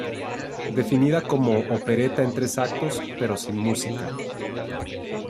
Definida como "Opereta en tres actos, pero sin música".